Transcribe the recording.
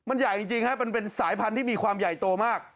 มันใหญ่จริงฮะมันเป็นสายพันธุ์ที่มีความใหญ่โตมาก